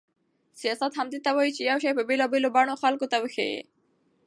سیاست همدې ته وایي چې یو شی په بېلابېلو بڼو خلکو ته وښيي.